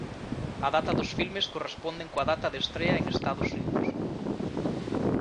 A data dos filmes corresponden coa data de estrea en Estados Unidos.